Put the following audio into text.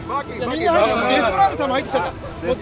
デストラーデさんも入ってきちゃった。